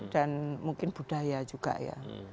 dan mungkin budaya juga ya